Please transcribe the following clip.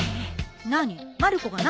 何？